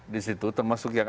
di situ termasuk yang